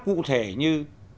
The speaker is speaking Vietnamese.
cụ thể như